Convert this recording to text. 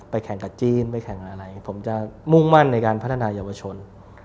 ไปแข่งกับจีนผมจะมุ่งมั่นในการพัฒนายาวบัชชน